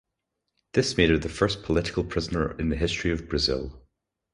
This made her the first political prisoner in the history of Brazil.